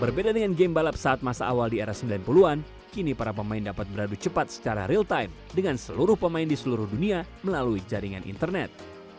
berbeda dengan game balap saat masa awal di era sembilan puluh an kini para pemain dapat beradu cepat secara real time dengan seluruh pemain di seluruh dunia melalui jaringan internet